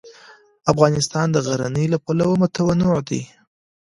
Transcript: افغانستان د غزني له پلوه متنوع دی.